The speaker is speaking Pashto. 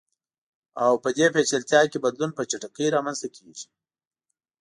او په دې پېچلتیا کې بدلون په چټکۍ رامنځته کیږي.